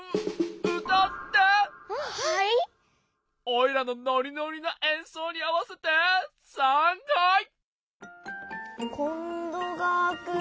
おいらのノリノリなえんそうにあわせてさんはい！